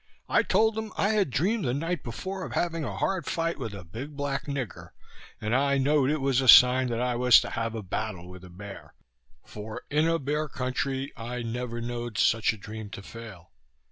I told them, I had dreamed the night before of having a hard fight with a big black nigger, and I knowed it was a sign that I was to have a battle with a bear; for in a bear country, I never know'd such a dream to fail.